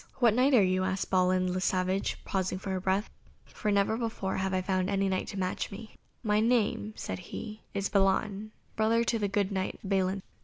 "What Knight are you?" asked Balin le Savage, pausing for breath, "for never before have I found any Knight to match me." "My name," said he, "is Balan, brother to the good Knight Balin."